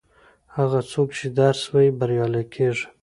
هغه څوک چې درس وايي بریالی کیږي.